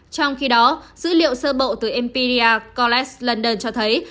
trong khi đó dữ liệu sơ bộ từ imperial college london cho thấy